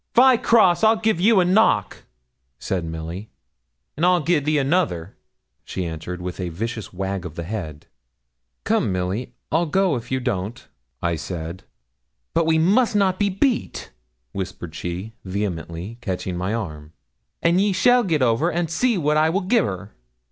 'If I cross, I'll give you a knock,' said Milly. 'And I'll gi' thee another,' she answered, with a vicious wag of the head. 'Come, Milly, I'll go if you don't,' I said. 'But we must not be beat,' whispered she, vehemently, catching my arm; 'and ye shall get over, and see what I will gi' her!'